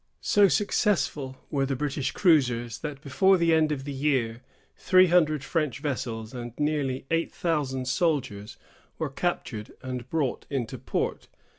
So successful were the British cruisers, that, before the end of the year, three hundred French vessels and nearly eight thousand sailors were captured and brought into port.